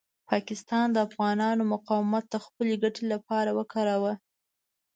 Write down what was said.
پاکستان د افغانانو مقاومت د خپلې ګټې لپاره وکاروه.